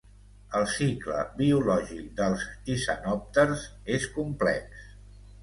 El cicle biològic dels tisanòpters és complex.